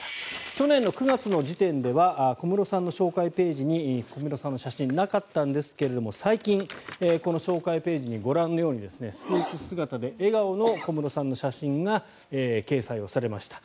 去年９月の時点では小室さんの紹介ページに小室さんの写真なかったんですが最近、この紹介ページにご覧のようにスーツ姿で笑顔の小室さんの写真が掲載されました。